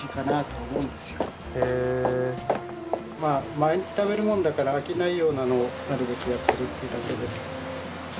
毎日食べるものだから飽きないようなのをなるべくやってるっていうだけで。